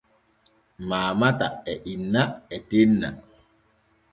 Maamata e inna e tenna.